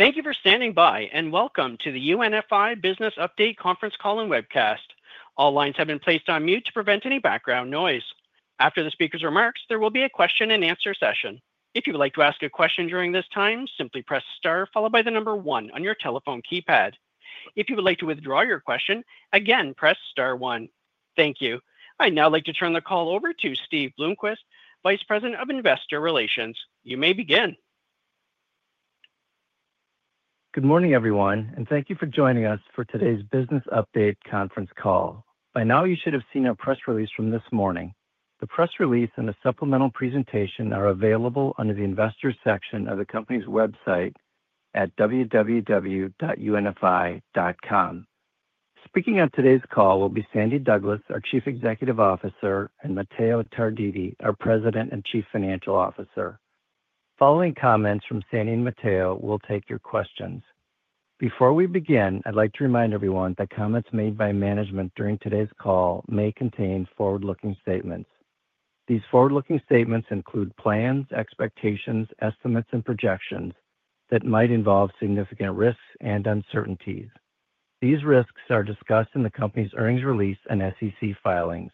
Thank you for standing by and welcome to the UNFI Business Update conference call and webcast. All lines have been placed on mute to prevent any background noise. After the speaker's remarks, there will be a question-and-answer session. If you would like to ask a question during this time, simply press star followed by the number one on your telephone keypad. If you would like to withdraw your question, again, press star one. Thank you. I'd now like to turn the call over to Steve Bloomquist, Vice President of Investor Relations. You may begin. Good morning, everyone, and thank you for joining us for today's Business Update conference call. By now, you should have seen our press release from this morning. The press release and the supplemental presentation are available under the Investors section of the company's website at www.unfi.com. Speaking on today's call will be Sandy Douglas, our Chief Executive Officer, and Matteo Tarditi, our President and Chief Financial Officer. Following comments from Sandy and Matteo, we'll take your questions. Before we begin, I'd like to remind everyone that comments made by management during today's call may contain forward-looking statements. These forward-looking statements include plans, expectations, estimates, and projections that might involve significant risks and uncertainties. These risks are discussed in the company's earnings release and SEC filings.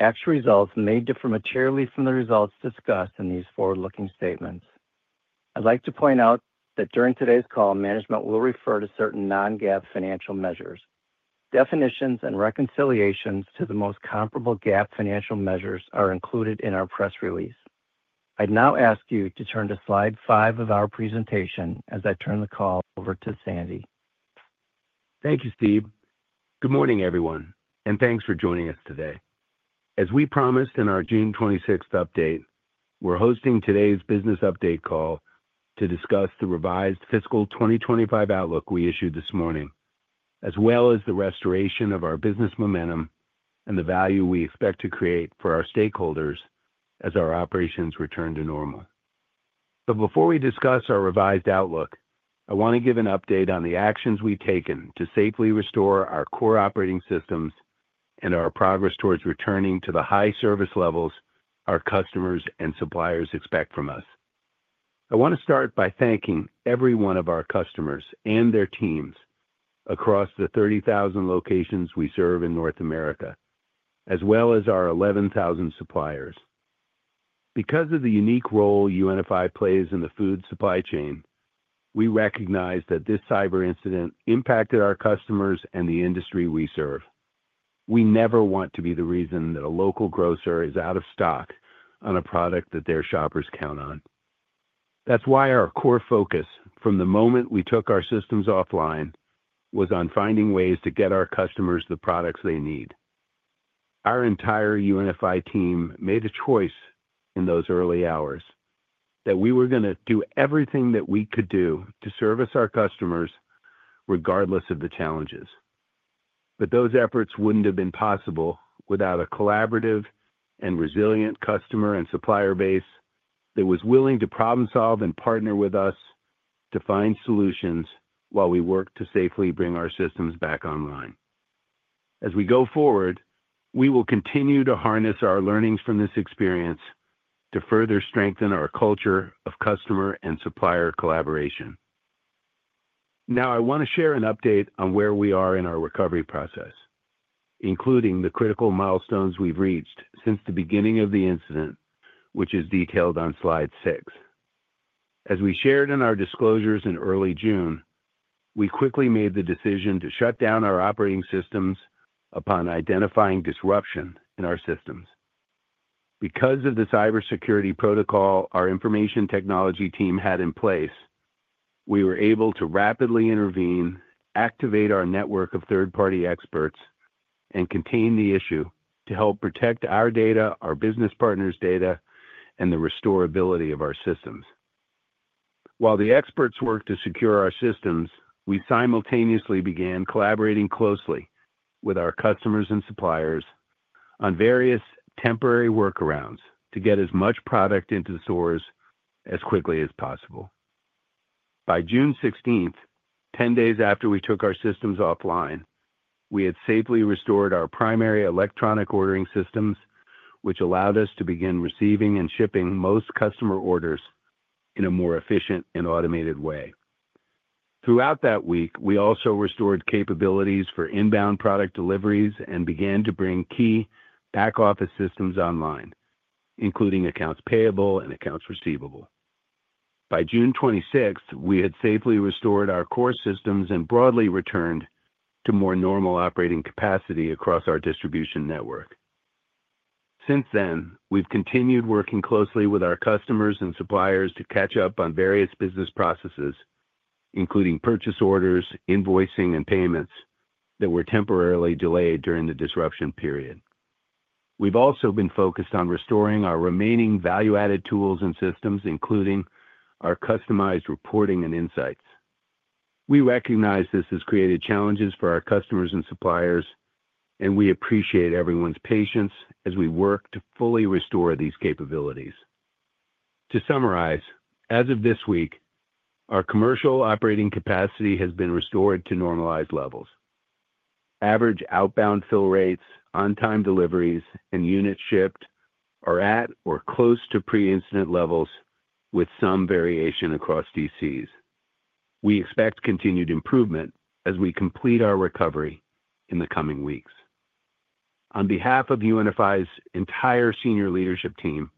Actual results may differ materially from the results discussed in these forward-looking statements. I'd like to point out that during today's call, management will refer to certain non-GAAP financial measures. Definitions and reconciliations to the most comparable GAAP financial measures are included in our press release. I'd now ask you to turn to slide five of our presentation as I turn the call over to Sandy. Thank you, Steve. Good morning, everyone, and thanks for joining us today. As we promised in our June 26 update, we're hosting today's Business Update Call to discuss the revised fiscal 2025 outlook we issued this morning, as well as the restoration of our business momentum and the value we expect to create for our stakeholders as our operations return to normal. Before we discuss our revised outlook, I want to give an update on the actions we've taken to safely restore our core operating systems and our progress towards returning to the high service levels our customers and suppliers expect from us. I want to start by thanking every one of our customers and their teams across the 30,000 locations we serve in North America, as well as our 11,000 suppliers. Because of the unique role UNFI plays in the food supply chain, we recognize that this cyber incident impacted our customers and the industry we serve. We never want to be the reason that a local grocer is out of stock on a product that their shoppers count on. That's why our core focus, from the moment we took our systems offline, was on finding ways to get our customers the products they need. Our entire UNFI team made a choice in those early hours that we were going to do everything that we could do to service our customers regardless of the challenges. Those efforts wouldn't have been possible without a collaborative and resilient customer and supplier base that was willing to problem-solve and partner with us to find solutions while we worked to safely bring our systems back online. As we go forward, we will continue to harness our learnings from this experience to further strengthen our culture of customer and supplier collaboration. Now, I want to share an update on where we are in our recovery process, including the critical milestones we've reached since the beginning of the incident, which is detailed on slide six. As we shared in our disclosures in early June, we quickly made the decision to shut down our operating systems upon identifying disruption in our systems. Because of the cybersecurity protocol our information technology team had in place, we were able to rapidly intervene, activate our network of third-party experts, and contain the issue to help protect our data, our business partners' data, and the restorability of our systems. While the experts worked to secure our systems, we simultaneously began collaborating closely with our customers and suppliers on various temporary workarounds to get as much product into the stores as quickly as possible. By June 16th, 10 days after we took our systems offline, we had safely restored our primary electronic ordering systems, which allowed us to begin receiving and shipping most customer orders in a more efficient and automated way. Throughout that week, we also restored capabilities for inbound product deliveries and began to bring key back-office systems online, including accounts payable and accounts receivable. By June 26th, we had safely restored our core systems and broadly returned to more normal operating capacity across our distribution network. Since then, we've continued working closely with our customers and suppliers to catch up on various business processes, including purchase orders, invoicing, and payments that were temporarily delayed during the disruption period. We've also been focused on restoring our remaining value-adding tools and systems, including our customized reporting and insights. We recognize this has created challenges for our customers and suppliers, and we appreciate everyone's patience as we work to fully restore these capabilities. To summarize, as of this week, our commercial operating capacity has been restored to normalized levels. Average outbound fill rates, on-time deliveries, and units shipped are at or close to pre-incident levels, with some variation across distribution centers. We expect continued improvement as we complete our recovery in the coming weeks. On behalf of UNFI's entire senior leadership team,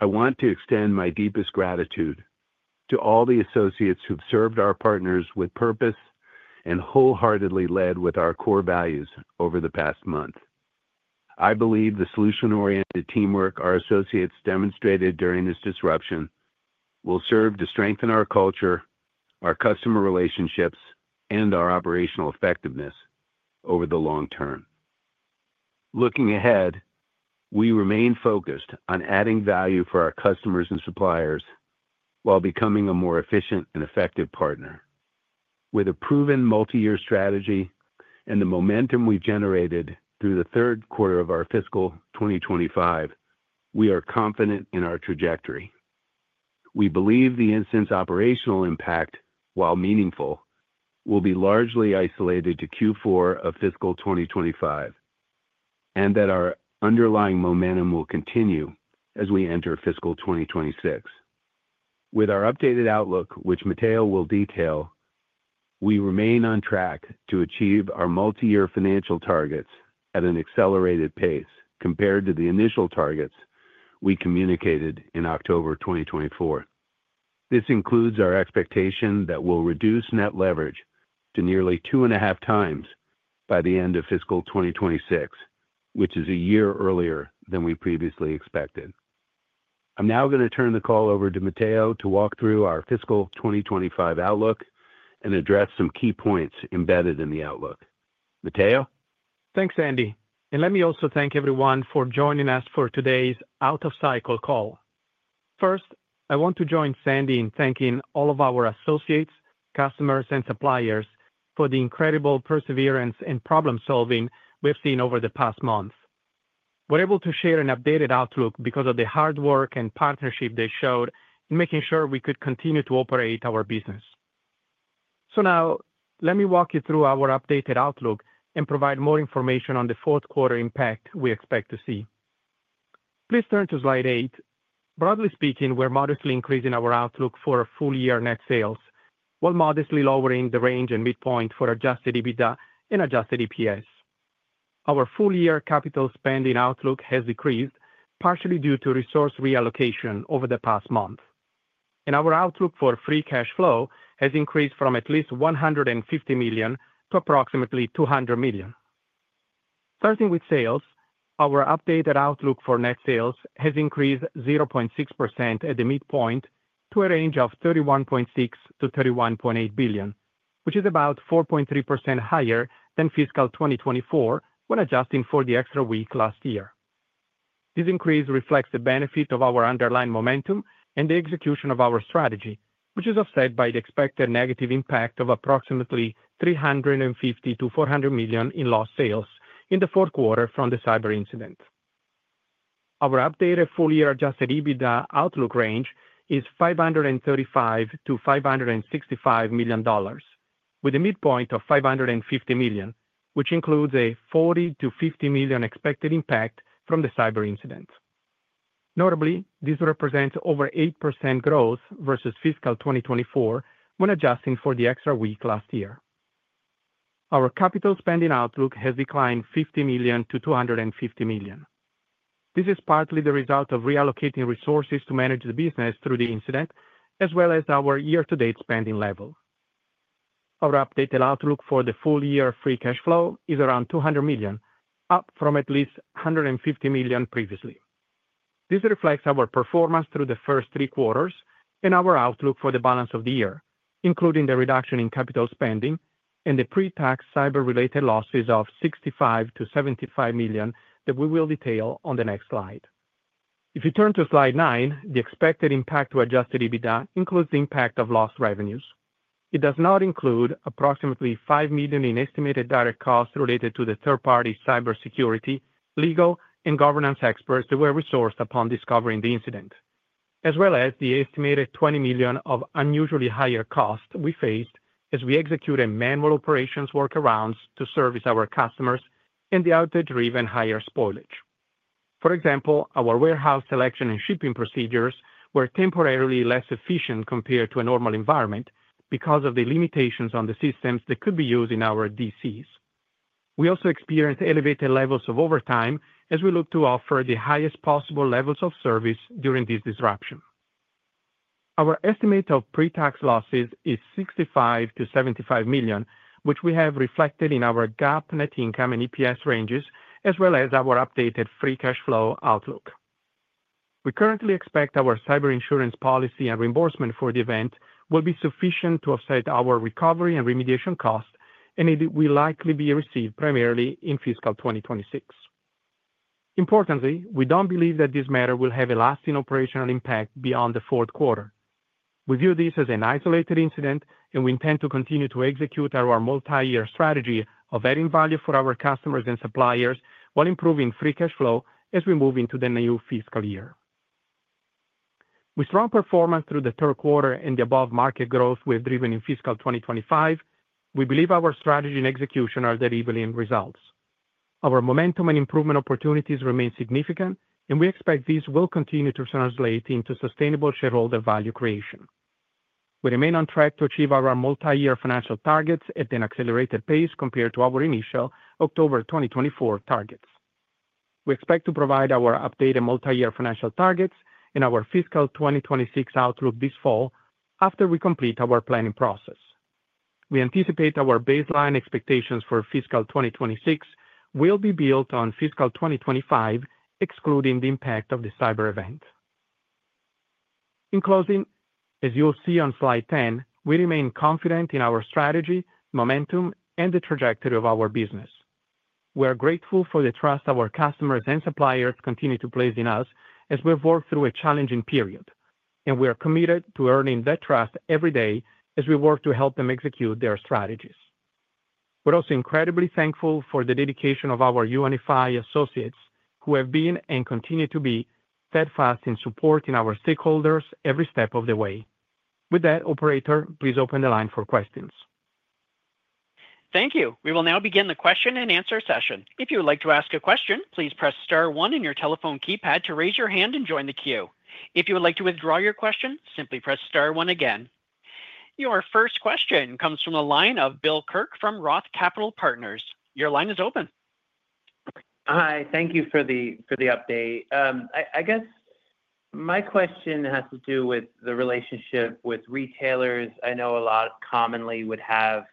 I want to extend my deepest gratitude to all the associates who've served our partners with purpose and wholeheartedly led with our core values over the past month. I believe the solution-oriented teamwork our associates demonstrated during this disruption will serve to strengthen our culture, our customer relationships, and our operational effectiveness over the long term. Looking ahead, we remain focused on adding value for our customers and suppliers while becoming a more efficient and effective partner. With a proven multi-year strategy and the momentum we've generated through the third quarter of our fiscal 2025, we are confident in our trajectory. We believe the incident's operational impact, while meaningful, will be largely isolated to Q4 of fiscal 2025, and that our underlying momentum will continue as we enter fiscal 2026. With our updated outlook, which Matteo will detail, we remain on track to achieve our multi-year financial targets at an accelerated pace compared to the initial targets we communicated in October 2024. This includes our expectation that we'll reduce net leverage to nearly 2.5x by the end of fiscal 2026, which is a year earlier than we previously expected. I'm now going to turn the call over to Matteo to walk through our fiscal 2025 outlook and address some key points embedded in the outlook. Matteo? Thanks, Sandy. Let me also thank everyone for joining us for today's out-of-cycle call. First, I want to join Sandy in thanking all of our associates, customers, and suppliers for the incredible perseverance and problem-solving we've seen over the past month. We're able to share an updated outlook because of the hard work and partnership they showed in making sure we could continue to operate our business. Now, let me walk you through our updated outlook and provide more information on the fourth quarter impact we expect to see. Please turn to slide eight. Broadly speaking, we're modestly increasing our outlook for full year net sales, while modestly lowering the range and midpoint for adjusted EBITDA and adjusted EPS. Our full year capital spending outlook has decreased, partially due to resource reallocation over the past month. Our outlook for free cash flow has increased from at least $150 million to approximately $200 million. Starting with sales, our updated outlook for net sales has increased 0.6% at the midpoint to a range of $31.6 billion-$31.8 billion, which is about 4.3% higher than fiscal 2024 when adjusting for the extra week last year. This increase reflects the benefit of our underlying momentum and the execution of our strategy, which is offset by the expected negative impact of approximately $350 million-$400 million in lost sales in the fourth quarter from the cyber incident. Our updated full year adjusted EBITDA outlook range is $535 million-$565 million, with a midpoint of $550 million, which includes a $40 million-$50 million expected impact from the cyber incident. Notably, this represents over 8% growth versus fiscal 2024 when adjusting for the extra week last year. Our capital spending outlook has declined $50 million-$250 million. This is partly the result of reallocating resources to manage the business through the incident, as well as our year-to-date spending level. Our updated outlook for the full year free cash flow is around $200 million, up from at least $150 million previously. This reflects our performance through the first three quarters and our outlook for the balance of the year, including the reduction in capital spending and the pre-tax cyber-related losses of $65 million-$75 million that we will detail on the next slide. If you turn to slide nine, the expected impact to adjusted EBITDA includes the impact of lost revenues. It does not include approximately $5 million in estimated direct costs related to the third-party cybersecurity, legal, and governance experts that were resourced upon discovering the incident, as well as the estimated $20 million of unusually higher costs we faced as we executed manual operations workarounds to service our customers and the outlet-driven higher spoilage. For example, our warehouse selection and shipping procedures were temporarily less efficient compared to a normal environment because of the limitations on the systems that could be used in our distribution centers. We also experienced elevated levels of overtime as we looked to offer the highest possible levels of service during this disruption. Our estimate of pre-tax losses is $65 million-$75 million, which we have reflected in our GAAP net income and EPS ranges, as well as our updated free cash flow outlook. We currently expect our cyber insurance policy and reimbursement for the event will be sufficient to offset our recovery and remediation costs, and it will likely be received primarily in fiscal 2026. Importantly, we don't believe that this matter will have a lasting operational impact beyond the fourth quarter. We view this as an isolated incident, and we intend to continue to execute our multi-year strategy of adding value for our customers and suppliers while improving free cash flow as we move into the new fiscal year. With strong performance through the third quarter and the above market growth we have driven in fiscal 2025, we believe our strategy and execution are deriving results. Our momentum and improvement opportunities remain significant, and we expect these will continue to translate into sustainable shareholder value creation. We remain on track to achieve our multi-year financial targets at an accelerated pace compared to our initial October 2024 targets. We expect to provide our updated multi-year financial targets and our fiscal 2026 outlook this fall after we complete our planning process. We anticipate our baseline expectations for fiscal 2026 will be built on fiscal 2025, excluding the impact of the cyber incident. In closing, as you'll see on slide 10, we remain confident in our strategy, momentum, and the trajectory of our business. We are grateful for the trust our customers and suppliers continue to place in us as we work through a challenging period, and we are committed to earning that trust every day as we work to help them execute their strategies. We're also incredibly thankful for the dedication of our UNFI associates, who have been and continue to be steadfast in supporting our stakeholders every step of the way. With that, operator, please open the line for questions. Thank you. We will now begin the question and answer session. If you would like to ask a question, please press star one on your telephone keypad to raise your hand and join the queue. If you would like to withdraw your question, simply press star one again. Your first question comes from a line of Bill Kirk from ROTH Capital Partners. Your line is open. Hi, thank you for the update. I guess my question has to do with the relationship with retailers. I know a lot commonly would have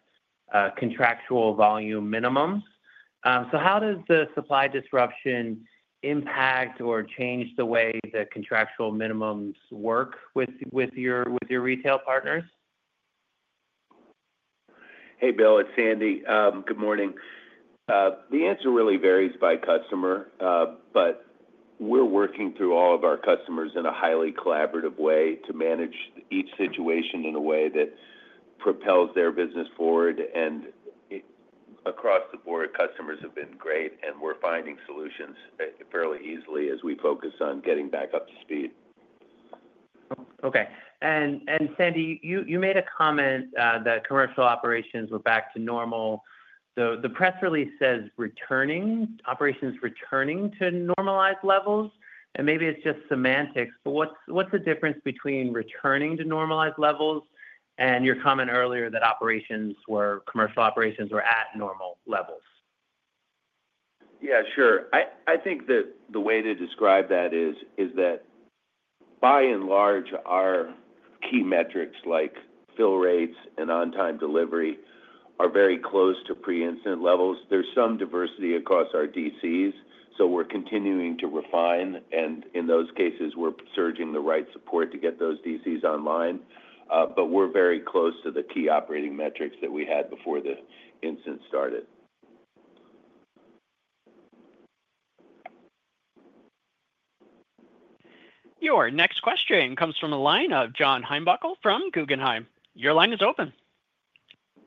contractual volume minimums. How does the supply disruption impact or change the way the contractual minimums work with your retail partners? Hey, Bill, it's Sandy. Good morning. The answer really varies by customer, but we're working through all of our customers in a highly collaborative way to manage each situation in a way that propels their business forward. Across the board, customers have been great, and we're finding solutions fairly easily as we focus on getting back up to speed. Okay. Sandy, you made a comment that commercial operations were back to normal. The press release says operations are returning to normalized levels, and maybe it's just semantics, but what's the difference between returning to normalized levels and your comment earlier that commercial operations were at normal levels? Yeah, sure. I think that the way to describe that is that by and large, our key metrics like fill rates and on-time deliveries are very close to pre-incident levels. There is some diversity across our distribution centers, so we're continuing to refine, and in those cases, we're surging the right support to get those distribution centers online. We're very close to the key operating metrics that we had before the incident started. Your next question comes from a line of John Heinbockel from Guggenheim. Your line is open.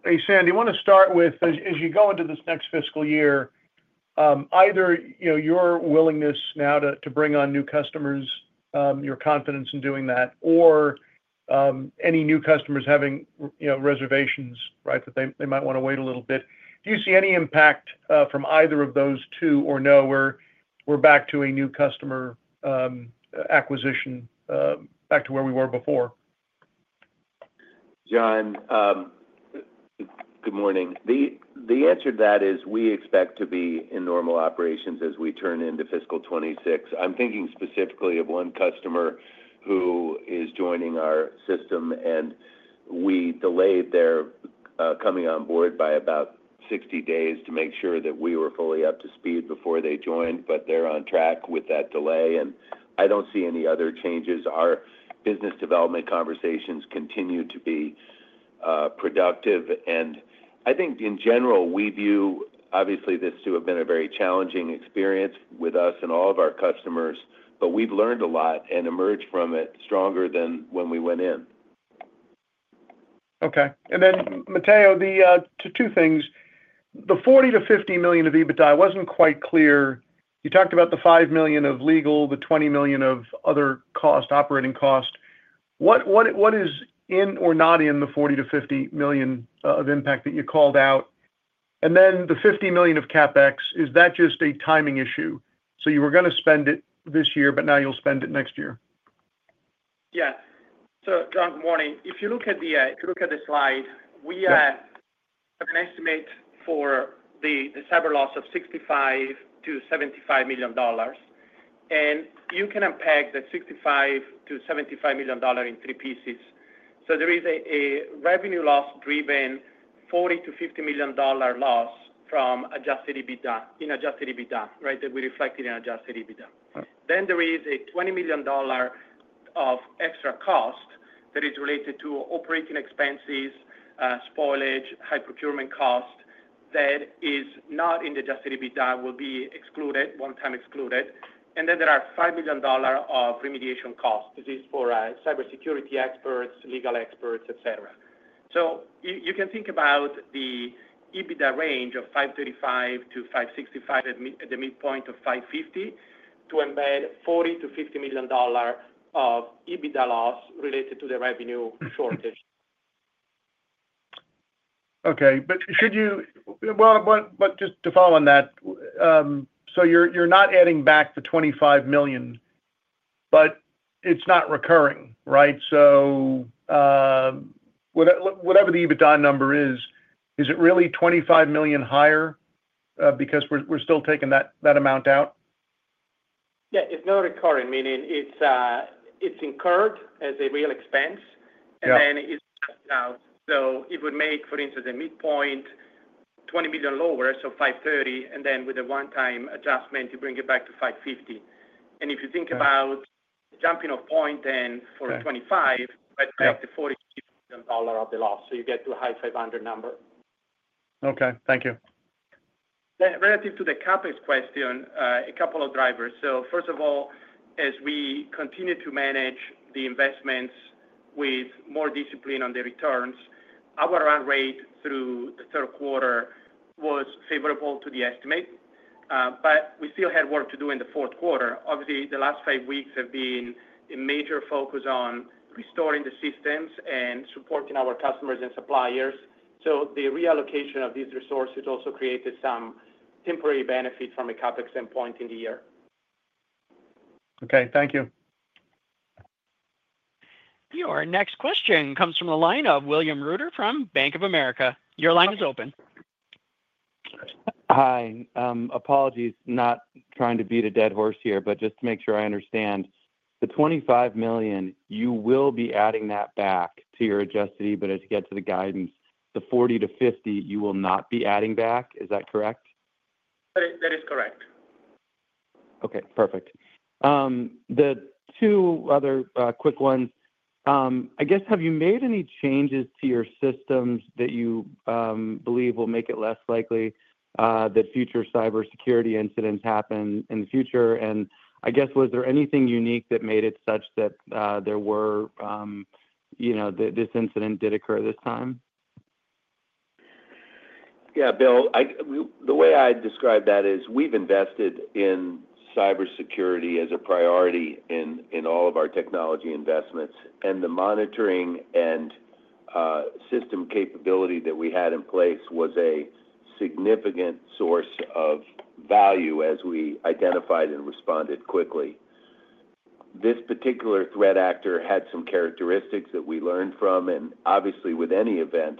Hey, Sandy, I want to start with, as you go into this next fiscal year, either your willingness now to bring on new customers, your confidence in doing that, or any new customers having reservations that they might want to wait a little bit. Do you see any impact from either of those two, or no, we're back to a new customer acquisition, back to where we were before? John, good morning. The answer to that is we expect to be in normal operations as we turn into fiscal 2026. I'm thinking specifically of one customer who is joining our system, and we delayed their coming on board by about 60 days to make sure that we were fully up to speed before they joined, but they're on track with that delay, and I don't see any other changes. Our business development conversations continue to be productive, and I think in general, we view obviously this to have been a very challenging experience with us and all of our customers, but we've learned a lot and emerged from it stronger than when we went in. Okay. Matteo, the two things, the $40 million-$50 million of EBITDA wasn't quite clear. You talked about the $5 million of legal, the $20 million of other costs, operating costs. What is in or not in the $40 million-$50 million of impact that you called out? The $50 million of CapEx, is that just a timing issue? You were going to spend it this year, but now you'll spend it next year? Yeah. John, good morning. If you look at the slide, we have an estimate for the cyber loss of $65 million-$75 million, and you can unpack the $65 million-$75 million in three pieces. There is a revenue loss-driven $40 million-$50 million loss from adjusted EBITDA, in adjusted EBITDA, right, that we reflected in adjusted EBITDA. There is $20 million of extra cost that is related to operating expenses, spoilage, high procurement cost that is not in the adjusted EBITDA, will be excluded, one-time excluded. There are $5 million of remediation costs. This is for cybersecurity experts, legal experts, et cetera. You can think about the EBITDA range of $535 million-$565 million at the midpoint of $550 million to embed $40 million-$50 million of EBITDA loss related to the revenue shortage. Okay. Just to follow on that, you're not adding back the $25 million, but it's not recurring, right? Whatever the EBITDA number is, is it really $25 million higher because we're still taking that amount out? Yeah, it's not recurring, meaning it's incurred as a real expense, and then it's now, so it would make, for instance, the midpoint $20 million lower, so $530 million, and then with a one-time adjustment, you bring it back to $550 million. If you think about jumping a point then for $25 million, you have to pay up to $46 million of the loss, so you get to a high $500 million number. Okay, thank you. Relative to the CapEx question, a couple of drivers. First of all, as we continue to manage the investments with more discipline on the returns, our run rate through the third quarter was favorable to the estimate, but we still had work to do in the fourth quarter. Obviously, the last five weeks have been a major focus on restoring the systems and supporting our customers and suppliers. The reallocation of these resources also created some temporary benefits from a CapEx endpoint in the year. Okay, thank you. Your next question comes from the line of William Reuter from Bank of America. Your line is open. Hi. Apologies, not trying to beat a dead horse here, but just to make sure I understand, the $25 million, you will be adding that back to your adjusted EBITDA to get to the guidance. The $40 million-$50 million, you will not be adding back. Is that correct? That is correct. Okay. Perfect. The two other quick ones, I guess, have you made any changes to your systems that you believe will make it less likely that future cyber incidents happen in the future? Was there anything unique that made it such that there were, you know, that this incident did occur this time? Yeah, Bill, the way I describe that is we've invested in cybersecurity as a priority in all of our technology investments, and the monitoring and system capability that we had in place was a significant source of value as we identified and responded quickly. This particular threat actor had some characteristics that we learned from, and obviously, with any event,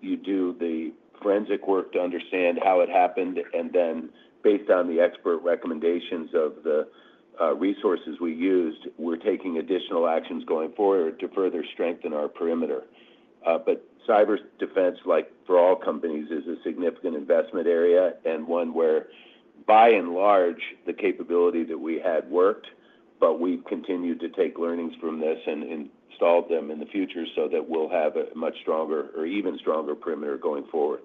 you do the forensic work to understand how it happened, and then based on the expert recommendations of the resources we used, we're taking additional actions going forward to further strengthen our perimeter. Cyber defense, like for all companies, is a significant investment area and one where, by and large, the capability that we had worked, but we've continued to take learnings from this and install them in the future so that we'll have a much stronger or even stronger perimeter going forward.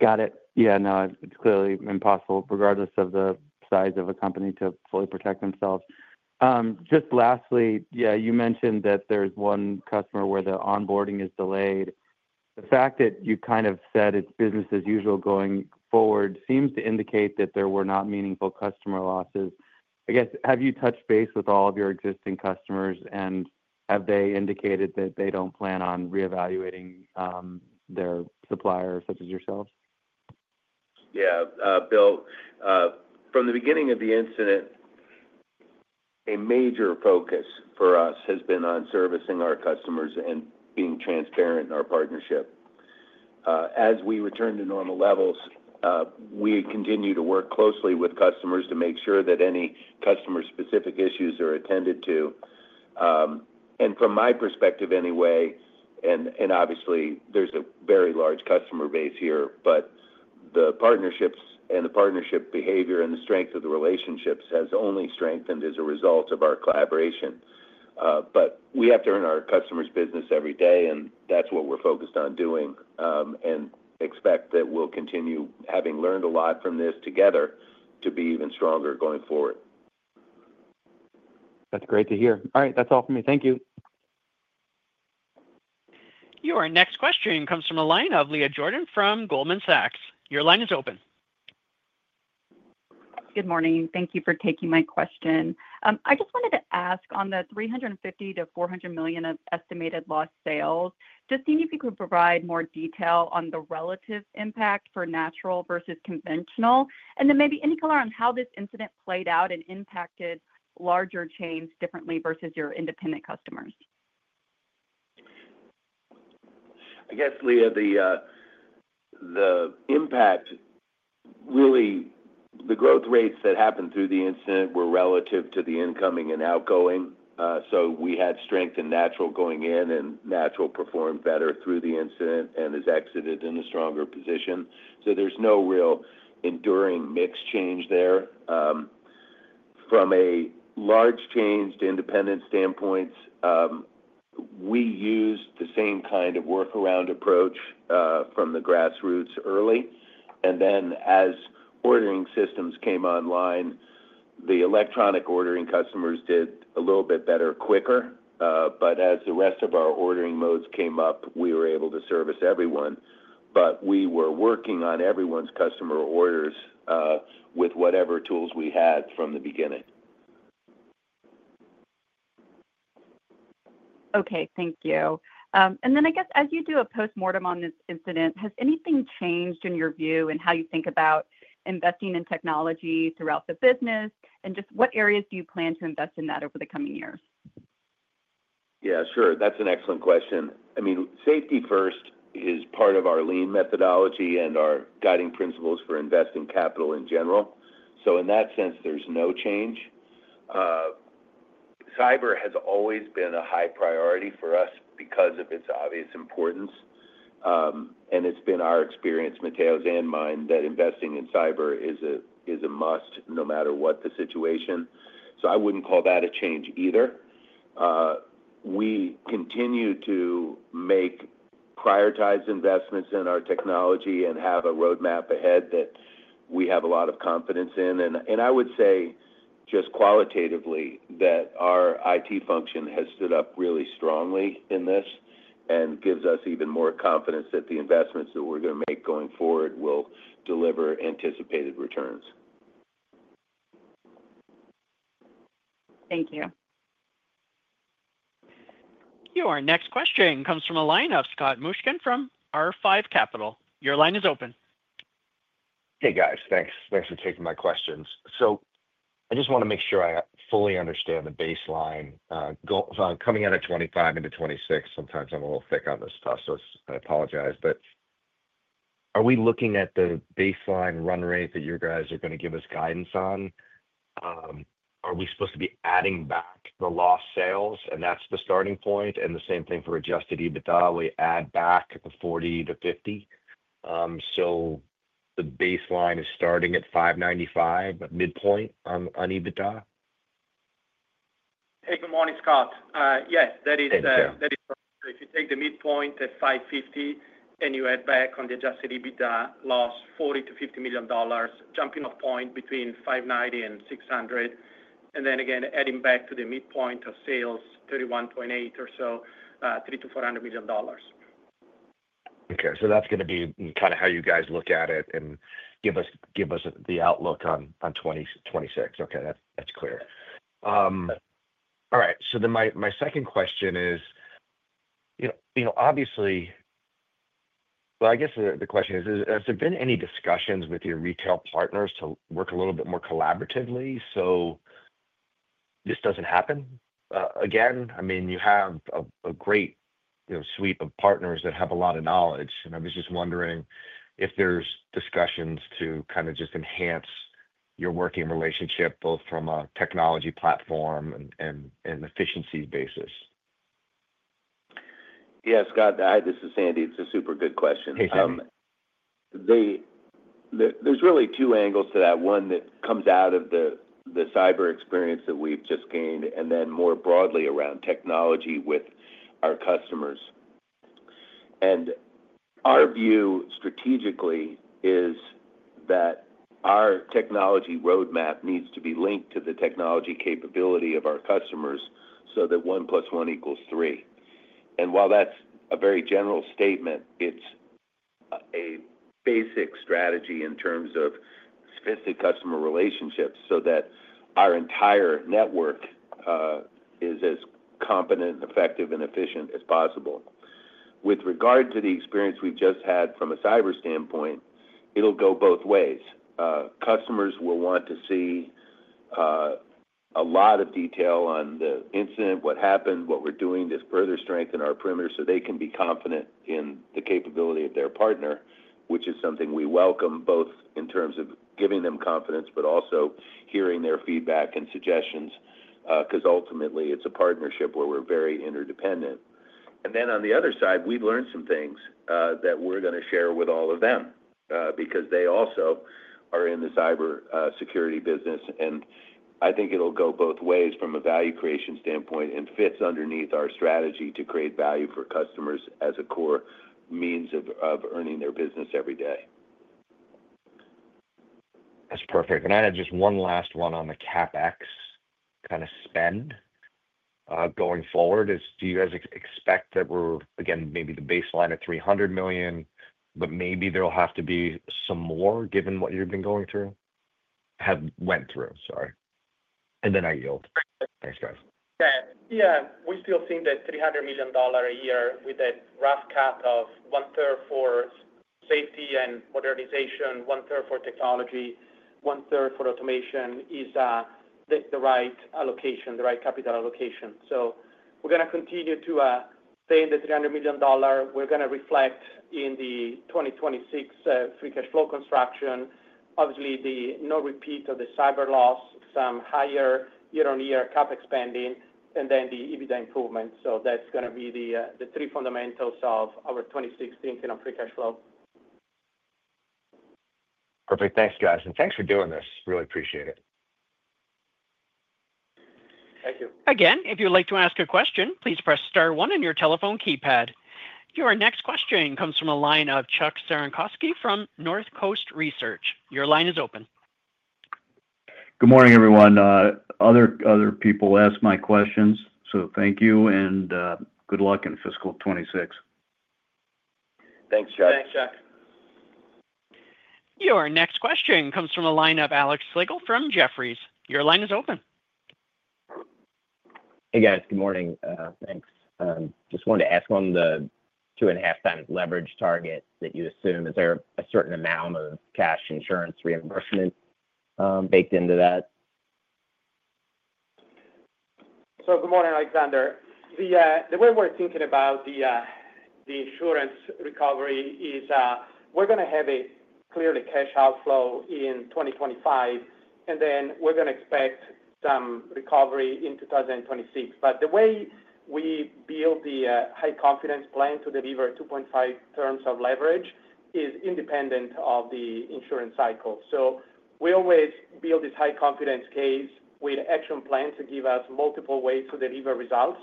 Got it. Yeah, no, it's clearly impossible, regardless of the size of a company, to fully protect themselves. Just lastly, you mentioned that there's one customer where the onboarding is delayed. The fact that you kind of said it's business as usual going forward seems to indicate that there were not meaningful customer losses. I guess, have you touched base with all of your existing customers, and have they indicated that they don't plan on reevaluating their supplier, such as yourselves? Yeah, Bill, from the beginning of the incident, a major focus for us has been on servicing our customers and being transparent in our partnership. As we return to normal levels, we continue to work closely with customers to make sure that any customer-specific issues are attended to. From my perspective, anyway, and obviously, there's a very large customer base here, the partnerships and the partnership behavior and the strength of the relationships has only strengthened as a result of our collaboration. We have to earn our customers' business every day, and that's what we're focused on doing and expect that we'll continue, having learned a lot from this together, to be even stronger going forward. That's great to hear. All right, that's all for me. Thank you. Your next question comes from the line of Leah Jordan from Goldman Sachs. Your line is open. Good morning. Thank you for taking my question. I just wanted to ask, on the $350 million-$400 million estimated lost sales, just seeing if you could provide more detail on the relative impact for natural versus conventional, and then maybe any color on how this incident played out and impacted larger chains differently versus your independent customers. I guess, Leah, the impact, really, the growth rates that happened through the incident were relative to the incoming and outgoing. We had strength in natural going in, and natural performed better through the incident and has exited in a stronger position. There is no real enduring mixed change there. From a large change to independent standpoints, we used the same kind of workaround approach from the grassroots early. As ordering systems came online, the electronic ordering customers did a little bit better quicker. As the rest of our ordering modes came up, we were able to service everyone. We were working on everyone's customer orders with whatever tools we had from the beginning. Thank you. As you do a postmortem on this incident, has anything changed in your view in how you think about investing in technology throughout the business, and what areas do you plan to invest in over the coming years? Yeah, sure. That's an excellent question. Safety first is part of our lean methodology and our guiding principles for investing capital in general. In that sense, there's no change. Cyber has always been a high priority for us because of its obvious importance. It's been our experience, Matteo's and mine, that investing in cyber is a must no matter what the situation. I wouldn't call that a change either. We continue to prioritize investments in our technology and have a roadmap ahead that we have a lot of confidence in. I would say just qualitatively that our IT function has stood up really strongly in this and gives us even more confidence that the investments that we're going to make going forward will deliver anticipated returns. Thank you. Your next question comes from a line of Scott Mushkin from R5 Capital. Your line is open. Hey, guys. Thanks. Thanks for taking my questions. I just want to make sure I fully understand the baseline. If I'm coming out of 2025 into 2026, sometimes I'm a little thick on this stuff, so I apologize. Are we looking at the baseline run rate that you guys are going to give us guidance on? Are we supposed to be adding back the lost sales, and that's the starting point, and the same thing for adjusted EBITDA? We add back the 40 million-50 million. The baseline is starting at $595 million, midpoint on EBITDA? Hey, good morning, Scott. Yeah, that is correct. If you take the midpoint at $550 million, and you add back on the adjusted EBITDA loss, $40 million-$50 million, jumping a point between $590 million and $600 million, and then again adding back to the midpoint of sales, $31.8 billion or so, $300 million-$400 million. Okay, that's going to be kind of how you guys look at it and give us the outlook on 2026. That's clear. All right, my second question is, you know, obviously, I guess the question is, has there been any discussions with your retail partners to work a little bit more collaboratively so this doesn't happen again? I mean, you have a great suite of partners that have a lot of knowledge, and I was just wondering if there's discussions to kind of just enhance your working relationship both from a technology platform and efficiency basis. Yeah, Scott, this is Sandy. It's a super good question. There are really two angles to that. One that comes out of the cyber experience that we've just gained, and then more broadly around technology with our customers. Our view strategically is that our technology roadmap needs to be linked to the technology capability of our customers so that one plus one equals three. While that's a very general statement, it's a basic strategy in terms of specific customer relationships so that our entire network is as competent and effective and efficient as possible. With regard to the experience we've just had from a cyber standpoint, it'll go both ways. Customers will want to see a lot of detail on the incident, what happened, what we're doing to further strengthen our perimeter so they can be confident in the capability of their partner, which is something we welcome both in terms of giving them confidence, but also hearing their feedback and suggestions because ultimately, it's a partnership where we're very interdependent. On the other side, we've learned some things that we're going to share with all of them because they also are in the cybersecurity business, and I think it'll go both ways from a value creation standpoint and fits underneath our strategy to create value for customers as a core means of earning their business every day. That's perfect. I had just one last one on the CapEx kind of spend going forward. Do you guys expect that we're, again, maybe the baseline at $300 million, but maybe there'll have to be some more given what you've been going through, have went through, sorry, and then our yield. Thanks, guys. Yeah, we still seem to have $300 million a year with a rough cap of one-third for safety and modernization, one-third for technology, one-third for automation, is the right allocation, the right capital allocation. We're going to continue to stay in the $300 million. We're going to reflect in the 2026 free cash flow construction, obviously the no repeat of the cyber loss, some higher year-on-year CapEx spending, and then the EBITDA improvement. That's going to be the three fundamentals of our 2026 financial cash flow. Perfect. Thanks, guys, and thanks for doing this. Really appreciate it. Thank you. Again, if you'd like to ask a question, please press star one on your telephone keypad. Your next question comes from a line of Chuck Cerankosky from Northcoast Research. Your line is open. Good morning, everyone. Other people asked my questions, so thank you and good luck in fiscal 2026. Thanks, Chuck. Thanks, Chuck. Your next question comes from the line of Alex Siegel from Jefferies. Your line is open. Hey, guys. Good morning. Thanks. Just wanted to ask on the 2.5x leverage target that you assume, is there a certain amount of cash insurance reimbursement baked into that? Good morning, Alexander. The way we're thinking about the insurance recovery is we're going to have a clear cash outflow in 2025, and we're going to expect some recovery in 2026. The way we build the high confidence plan to deliver 2.5x leverage is independent of the insurance cycle. We always build this high confidence case with action plans that give us multiple ways to deliver results.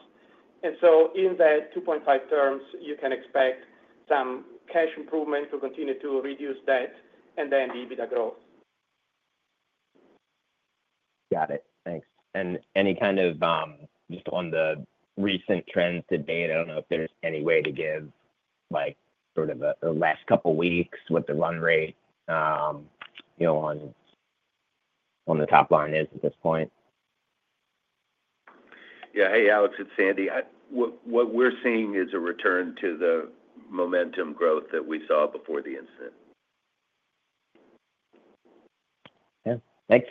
In the 2.5x, you can expect some cash improvement to continue to reduce debt and then the EBITDA growth. Got it. Thanks. Any kind of just on the recent trends to date, I don't know if there's any way to give like sort of the last couple of weeks, what the run rate on the top line is at this point. Yeah. Hey, Alex, it's Sandy. What we're seeing is a return to the momentum growth that we saw before the incident. Yeah. Thanks.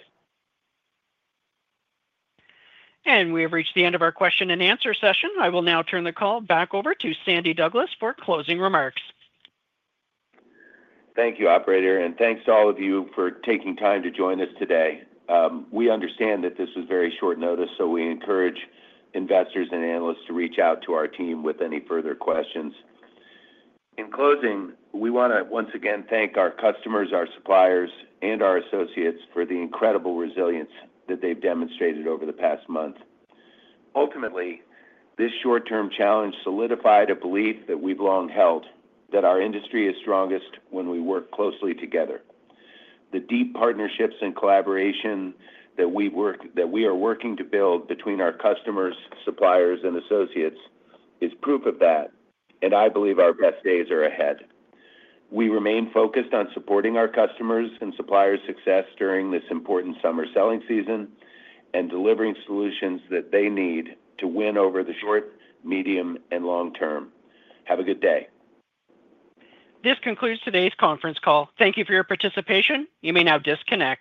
We have reached the end of our question-and-answer session. I will now turn the call back over to Sandy Douglas for closing remarks. Thank you, operator, and thanks to all of you for taking time to join us today. We understand that this was very short notice, so we encourage investors and analysts to reach out to our team with any further questions. In closing, we want to once again thank our customers, our suppliers, and our associates for the incredible resilience that they've demonstrated over the past month. Ultimately, this short-term challenge solidified a belief that we've long held that our industry is strongest when we work closely together. The deep partnerships and collaboration that we are working to build between our customers, suppliers, and associates is proof of that, and I believe our best days are ahead. We remain focused on supporting our customers and suppliers' success during this important summer selling season and delivering solutions that they need to win over the short, medium, and long term. Have a good day. This concludes today's conference call. Thank you for your participation. You may now disconnect.